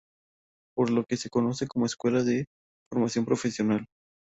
Es por lo que se le conoce como Escuela de Formación Profesional.